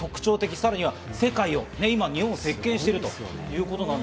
さらに世界を、日本を席巻しているということです。